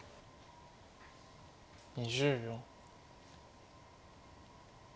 ２０秒。